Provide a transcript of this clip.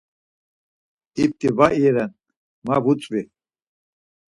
İpt̆i var iyen, ma vutzvi.